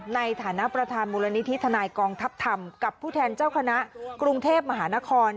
ในฐานะประธานมูลนิธิทนายกองทัพธรรมกับผู้แทนเจ้าคณะกรุงเทพมหานคร